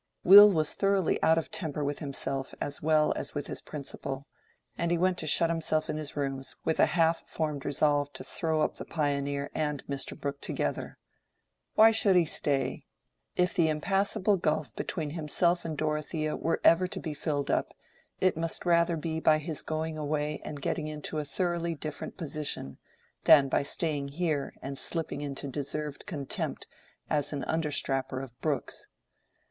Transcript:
Will was thoroughly out of temper with himself as well as with his "principal," and he went to shut himself in his rooms with a half formed resolve to throw up the "Pioneer" and Mr. Brooke together. Why should he stay? If the impassable gulf between himself and Dorothea were ever to be filled up, it must rather be by his going away and getting into a thoroughly different position than by staying here and slipping into deserved contempt as an understrapper of Brooke's.